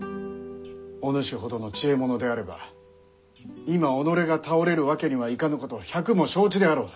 お主ほどの知恵者であれば今己が倒れるわけにはいかぬことを百も承知であろう。